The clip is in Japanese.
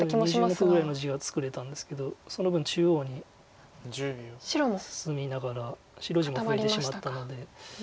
２０目ぐらいの地は作れたんですけどその分中央に進みながら白地も増えてしまったので。